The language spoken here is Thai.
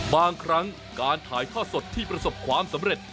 บางครั้งการถ่ายทอดสดที่ประสบความสำเร็จ